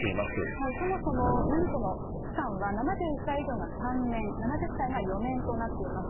そもそも、免許の期間は７１歳以上が３年、７０歳が４年となっています。